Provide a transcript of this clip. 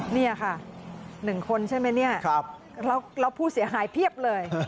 นี่ค่ะ๑คนใช่ไหมเนี่ยแล้วผู้เสียหายเพียบเลย